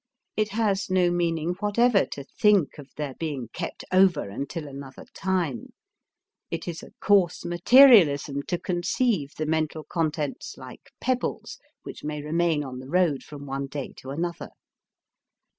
It has no meaning whatever to think of their being kept over until another time. It is a coarse materialism to conceive the mental contents like pebbles which may remain on the road from one day to another.